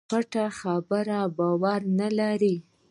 پټه خبره باور نه لري.